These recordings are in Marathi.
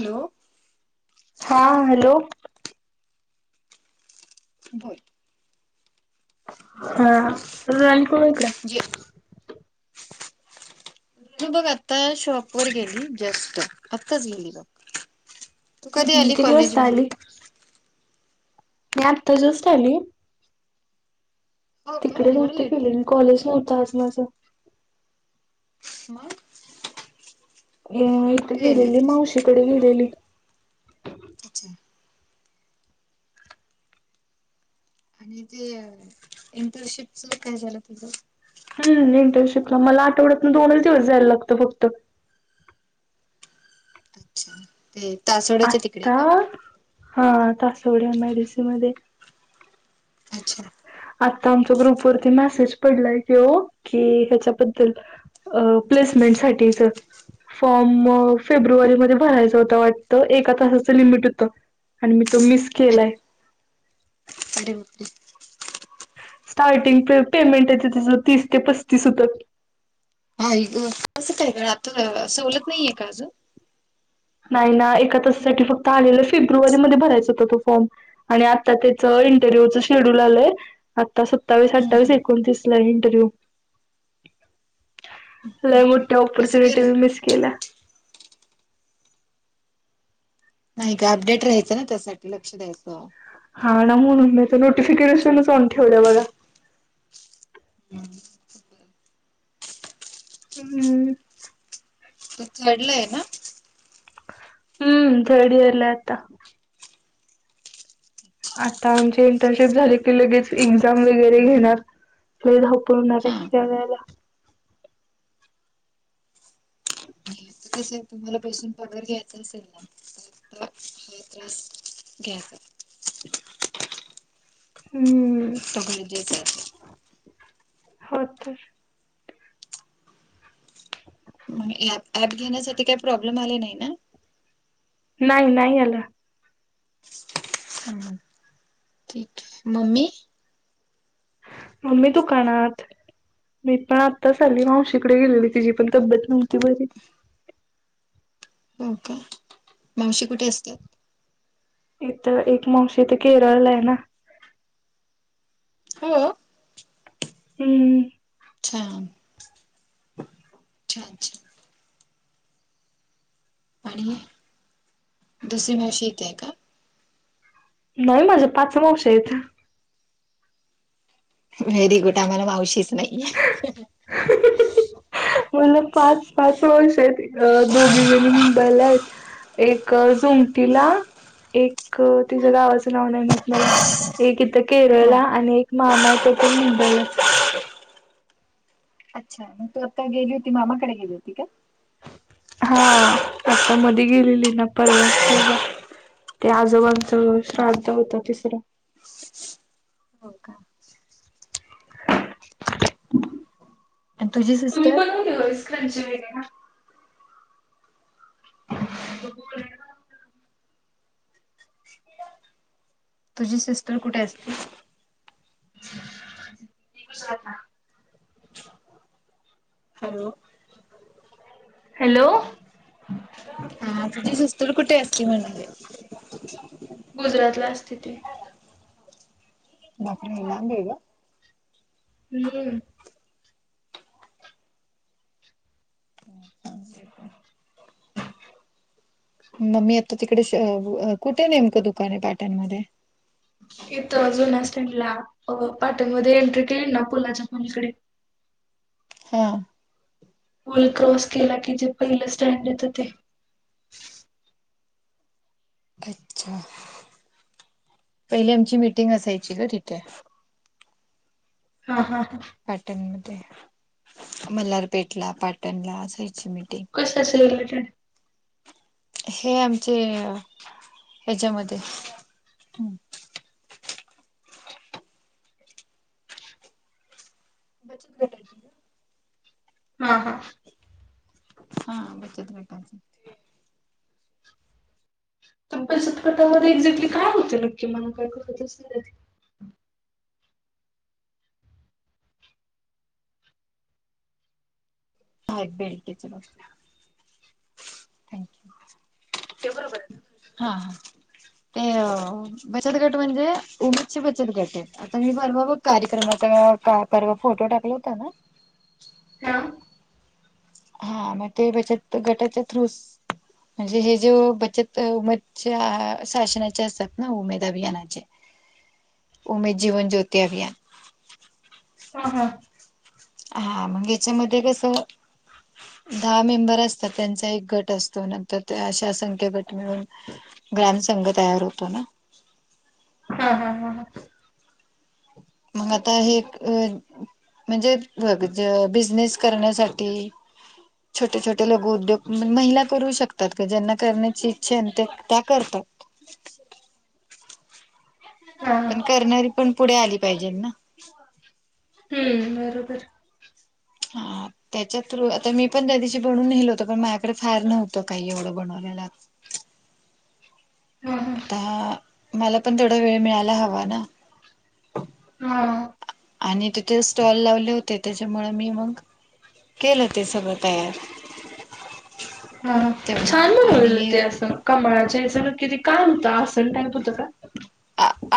हॅलो हां हॅलो बरं हां राणी कोणंकलंय म्हणजे अं बघं आतां शॉप वरं गेली जस्टं आत्ताचं गेली बघं कधीं हम्म आली किती वाजता आली कॉलेजवरूंन मी आत्तां जस्टं आंली हो का तिकडे एवढं नव्हते लेट गेले कॉलेज नव्हतं आंज माझं मंग अं इथे गेलेली मांवशीकडे गेलेली अच्छा आणि ते इंटर्नशिपचं कायं झालं हम्मं इंटर्नशिपलां मलां आठवड्यांतूंन दोनचं दिवसं जायलां लागतं फक्तं अच्छा ते तासोड्याच्या तिकडे का आतां हां अ त सवड्यां मेडिसी मध्यें अच्छा आता आमच्या ग्रुप वरती मेसेज पडलाय की हो की ह्याच्याबद्दल अ प्लेसमेंट साठीच फॉर्म फेब्रुवारीमध्ये भरायच होत वाटतं एका तासाचं लिमिट होतं आणि मी तो मिस केलाय आ बकरी स्टार्टिंग पेमेंट आहे ते त्याचं तीस ते पस्तीस होतं हा कसं काय आता सवलत नाहीये का अजून नाही ना एका तसासाठी फक्त आलेलं फेब्रुवारी म भरायचा होत तो फॉर्म आणि आता त्याचं इंटरव्ह्यूचं शेड्यूल आलंय आता सत्तावीस हम्म अठ्ठावीस एकोणतीस इंटरव्यू हम्म. मोठे कसं काय अपरचुनिट रे मिस केला नाही का अपडेट राहायचं ना त्यासाठी लक्ष द्यायचं हा ना म्हणून मी तर नोटिफिकेशनच ऑन ठेवलं बघा हम हम हम तू चडलंय ना हम्म धडीला आता आता आमची इंटर्नशिप झाले की लगेच एक्झाम वगैरे घेणार व धावपळ होणार आहे हा स वळेला कसं आहे तुम्हाला बसून पगार घ्यायचा असेल ना घ का हम्म तर भरजेच हो तर मग ऍप घेण्यासाठी काही प्रॉब्लेम आले नाही ना नाही नाही आला हम मम्मी मम्मी तू काणात मी पण आत्ताच आली मावशीकडे गेलेली तिची पण तब्येत नव्हती बरी ओ काे मागशी कुठे असतात इथ एक माशी तर केरळ आहे ना होा हम्म चछान अच्छा अचछा आणि दुसरी मावशी येते का नाही माझं पाच वंश इथं व्हेरी गुड आम्हाला मावशीच नाही ह [unintelligible] पाच पाच वर्ष आहेत अ दोघी जणी मुंबईला आहेत एक झुमटीला एक तिचं गावाचं नाव नाही माहीत मला एक इथं हा केरळला आणि एक मामा आहे तो पण मुंबईलाच अच्छा मग तू आत्ता गेली होती मामाकडे गेली होती का हा आता मध्ये गेलेली ना परवा तेव्हा ते आजोबां अच्छा श्राद्ध होत तिसरं हो का आणि तुझी तुम्ही सिस्टर पण कुठं [unintelligible] वेळेला [inaudible] तुझी सिस्टर कुठे असते. [unintelligible] हॅलो. हॅलो. हम. हा तुझी सिस्टर कुठे असची म्हणजे गुजरातला असते ती [unintelligible] हम्म. ह. मम्मी आता तिकडे कुठे नेमकं दुकान आहे पाटणमध्ये इथं जुन्या स्टँडला पाटणमध्ये एंट्री केली ना पुलाच्या पलीकडे हा पूल क्रॉस केला की जे पहिलं स्टँड येत ते अच्छा. पहिली आमची मिटिंग असायची ग तीथे. हा हा हा. पाटणमध्ये म मल्हारपेठला पाटणला असायची मिटिंग कशाशी रिलेटेड हे आमचे हेच्यामध्ये बचत गटाची हा हा. हा बचत गटाचं. बचतगटामध्ये एक्झॅक्टली काय होते नक्की मला काय कळतच नाही. अ [unintelligible] थँक्यू. हा ते. बचत गट म्हणजे उमेदची बचत गट आहे. आता मी परवा बघ कार्यक्रमाचावा फोटो टाकला होता ना. हा. हा मग ते बचत गटाच्या थ्रू म्हणजे हे जे बचत शासनाचे असतात ना उमेद अभियानाचे उमेद जीवन ज्योती अभियान हा हा. हा मग याच्यामध्ये कस? दहा मेंबर असतात त्यांचा एक गट असतो नंतर ते अशा असंख्य गट मिळून ग्रॅम संघ तयार होतो ना. हा हा हा ह. मग आता हे अ. म्हणजे बिझनेस करण्यासाठी छोटे छोटे लोक उद्योग महिला करू शकतात का ज्यांना करण्याची इच्छाते त्या करतात. हा पण करणारी पण पुढे आली पाहिजे ना. हम्म बरोबर. हा. त्याच्या थ्रू आता मी पण त्या दिवशी बनून नेल होतो पण माझ्याकडे फार नव्हतं काही एवढं बनवलेला. हा हा आता मला पण थोडा वेळ मिळायला हवा ना. हा. आणि तिथे स्टॉल लावले होते त्याच्यामुळे मी मग. केलं ते सगळं तयार. हा तेवढं छान बनवलंत ते आणि असं. कामळाच्या सण किती काय होतता सण टाईप होत का?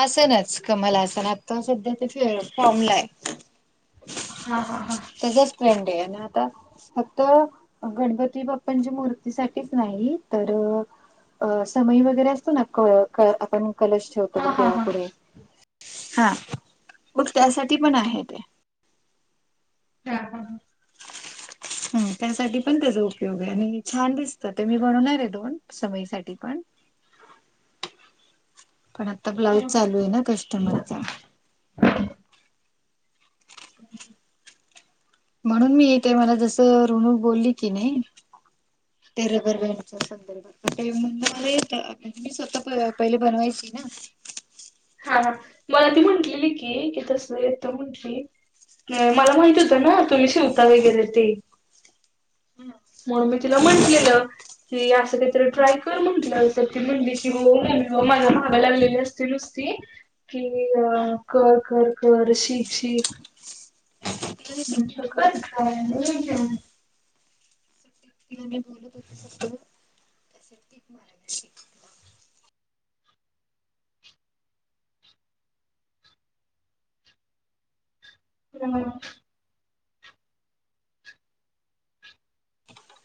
असनच कमला अस ना आता सध्या ते फॉर्म ला आहे. हा हा हा वने डे फक्त गणपती बाप्पांची मूर्तीसाठीच नाही तर अ समय वगैरे असतो ना आपण कलश ठवतो हा हा बघ हा देवा हा हा पुुढे हा मग त्यासाठी पण आहे ते. हा हा हा ह त्यासाठी पण त्याचा उपयोग आहे आणि छान दिसतं ते मी बनवणार आहे दोन समयीसाठी पण. पण आता हा ब्लाऊज चालू हा आहे ना कस्टमरच. म्हणून मी येते मला जसं ऋणू बोलली की नाही त्या रबर पॅन्ट संदर्भ मुंग मी स्वतः पहिले बनवायची ना. हा मला ती म्हंटलेली की कि तस य म्हंटली. अ मला माहीत होतं ना तुम्ही शेवता वगैरे ते म्हणून मी तिला म्हटलेलं की असं काहीतरी ट्राय कर म्हंटलं. तर ती म्हणली की हो म्ह माला भाग लागलेली असते नुसती. कि अ कर कर कर शीख शीख. तिला मी सुट्टीत मग बोलत होते कर ग ट्राय सुट्टीत [unintelligible] [inaudible] [inaudible] [inaudible]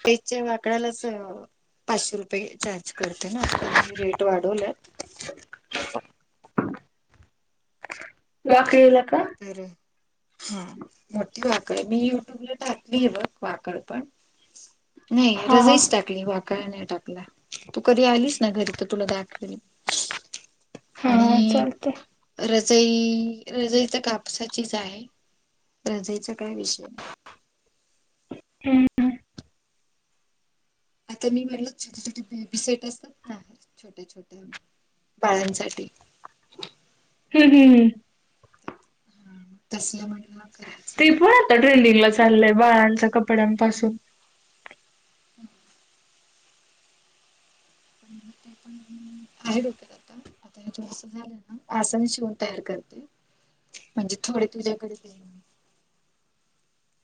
पच्या वाकडालाच पाचशे रुपये चार्ज करते ना आता मी रेट वाढवलेत. वाकळीला का? बर हा मोठी वाकड आहे मी युट्यूबला टाकती आहे बघ वाकड पण. नाही हा हा रजाईच टाकली वा का नाही टाकला तू कधी आलीस ना घरी तर तुला दाखवील. हा आणि चालतंय रजई रजई तर कापसाचीच आहे. रजायचा काय विषय नाही हम्म आता मी म्हटल छोटे छोटे बेबी सेट असतात ना छोट्या छोट्या बाळांसाठी. ह्ं हं तसलं म्हण. ते पण आता ट्रेंडिंगला चाललंय बाळांच्या कपड्यांपासून. [inaudible] [inaudible] आहे डॉक्टर आता आता हे थोडसं झालं ना आसाने शिवण तयार करते. म्हणजे थोडे तुझ्याकडे. मी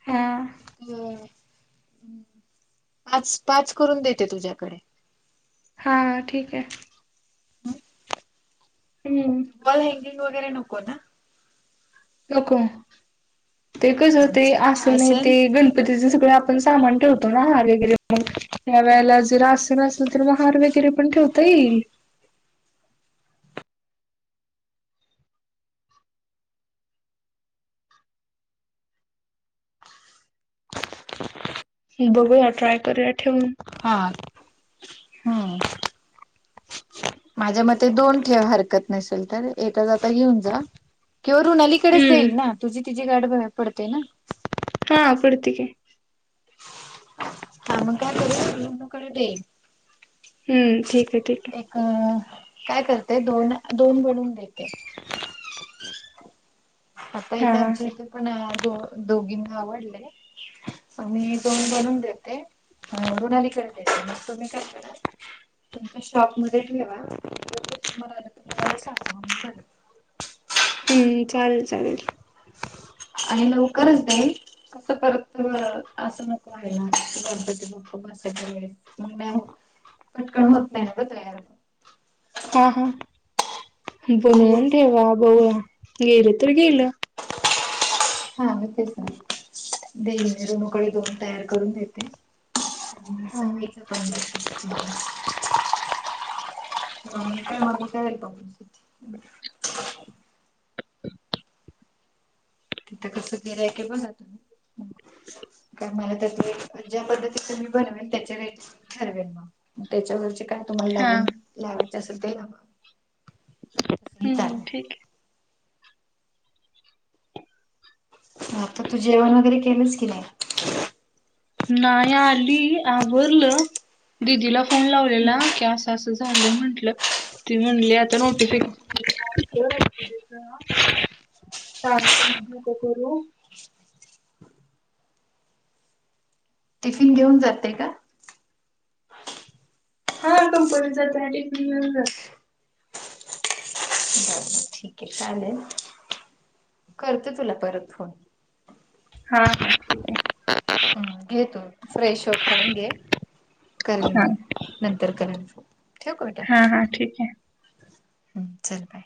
ह अ पाच पाच करून देते तुझ्याकडे हां ठीक आहे हम. हम्म. हँंगिंग वगैरे नको ना. नको ते कसं हा ते मग फक्त अस नाही आसन ते गणप. सगळ आपण सामान ठेवतो ना ह वगरे ह हा वेळेला जर अस न अस तर मग हार वगैरे पण ठेवता येईल. बघूया ट्राय करूया ठेवून. हा हम्म. माझ्या मते दोन ठेवा हरकत नसेल तर,, येेत ज आता घेऊन जा किंवा रुणालीकडेच हम्म जाईल ना तुझी तिचीी गाड पडते ना हा प्रडतके हा मग काय गकडे देईल हम्म ठीक आहे ठीक आहे एक काय करते दोन दोन बनून देते [inaudible] आता आहे इथे हा आमच्या इथे पण द दोघींना आवडले आणि दोन बनून देते रुणाली करत यायच मग तुम्ही काय कर तुमच्या शॉपमध्येध्ये ठेवा आणि जर कस्टमर आलं तर मग मला सांगा बला हम्म चालेल चालेल आणि लवकरच देल कं करत असं नको आहे गरगतीप्प बसा वळे मे कटकण होत नाहीय न तयार हा हा कशी बनवून ठेवा बऊया गेले तर गेलं हा म तेच ना देन निरनकळी दोन तयार करून देते हा असंयचं पहि ह म का तिथं कसं गेलंय क बघा त का मला त्यात ज्या पद्धतीच मी बनवेन त्याच्या वेट ठरवेन मग ग त्याच्यावरचे काय तुम्हाला हा लागून लावायचे असेल ते लावावं त ह हम्म कारण ठीक आहे. हा तर तू जेवण वगैरे केलंच की नाही नाही आली आवरल दिदीला फोन लावलेला की असं असं झालंय म्हंटलं ती म्हणली आता नोटिफिकेशन चग करू टिफिन घेऊन जाते का हा कंपनी जात आहेात ठीक आहे चालेल करते तुला परत फोन हा ठीक आहे हम्म घेतो फ्रेश हो खाऊन घे केल हा मग नंतर कराल ठेवक बेटा हा हा ठीक आहे हम्म चरी बाय